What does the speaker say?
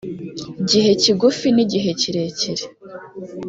gihe kigufi n igihe kirekire